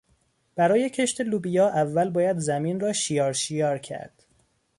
برای کشت لوبیا اول باید زمین را شیار شیار کرد.